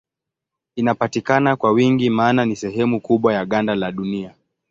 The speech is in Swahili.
Inapatikana kwa wingi maana ni sehemu kubwa ya ganda la Dunia.